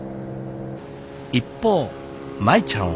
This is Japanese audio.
一方舞ちゃんは。